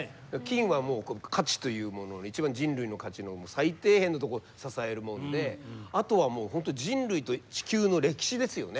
金はもう価値というものに一番人類の価値の最底辺のところを支えるものであとはもう本当人類と地球の歴史ですよね。